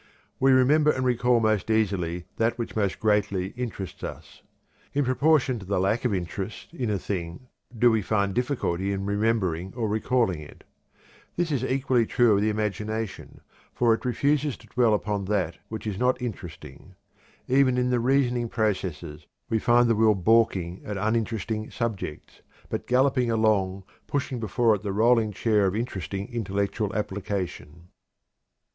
We remember and recall most easily that which most greatly interests us. In proportion to the lack of interest in a thing do we find difficulty in remembering or recalling it. This is equally true of the imagination, for it refuses to dwell upon that which is not interesting. Even in the reasoning processes we find the will balking at uninteresting subjects, but galloping along, pushing before it the rolling chair of interesting intellectual application.